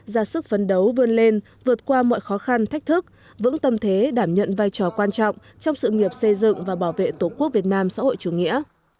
ra sức phấn đấu vươn lên vượt qua mọi khó khăn thách thức vững tâm thế đảm nhận vai trò quan trọng trong sự nghiệp xây dựng và bảo vệ tổ quốc việt nam xã hội chủ nghĩa